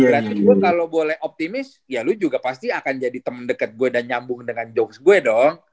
berarti gue kalo boleh optimis ya lu juga pasti akan jadi temen deket gue dan nyambung dengan jokes gue dong